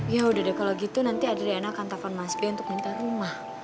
ya udah deh kalau gitu nanti adriana akan telepon mas b untuk minta rumah